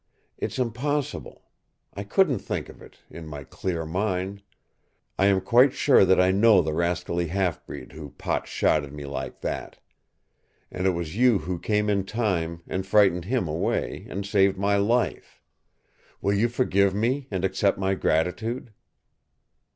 It's impossible. I couldn't think of it In my clear mind. I am quite sure that I know the rascally half breed who pot shotted me like that. And it was you who came in time, and frightened him away, and saved my life. Will you forgive me and accept my gratitude?"